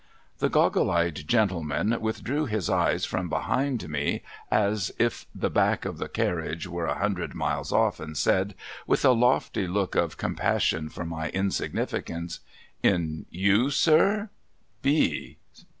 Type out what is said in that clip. The goggle eyed gentleman withdrew his eyes from behind me, as if the back of the carriage were a hundred miles off, and said, ■with a lofty look of compassion for my insignificance :* In you, sir